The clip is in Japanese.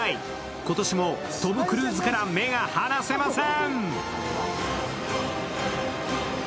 今年もトム・クルーズから目が話せません。